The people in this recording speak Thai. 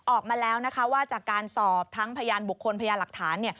ออกมาแล้วนะคะว่าจากการสอบทั้งพยานบุคคลพยานหลักฐาน